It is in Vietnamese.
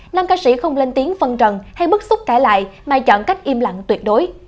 nam ca sĩ không lên tiếng phân trần hay bức xúc kể lại mà chọn cách im lặng tuyệt đối